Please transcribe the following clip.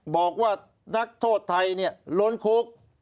บอกว่านักโทษไทยล้นคุก